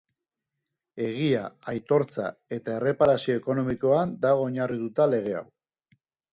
Egia, aitortza eta erreparazio ekonomikoan dago oinarrituta lege hau.